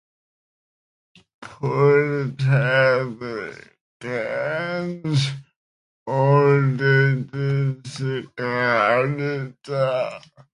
Pull-tab cans, or the discarded tabs from them, were also called "pop-tops" colloquially.